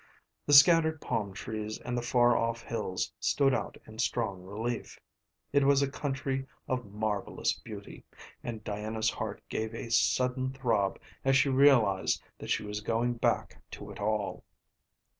The scattered palm trees and the far off hills stood out in strong relief. It was a country of marvellous beauty, and Diana's heart gave a sudden throb as she realised that she was going back to it all.